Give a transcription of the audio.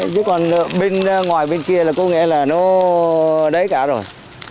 chứ còn bên ngoài bên kia là có nghĩa là nó đấy cả rồi